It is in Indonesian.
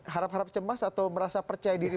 harap harap cemas atau merasa percaya diri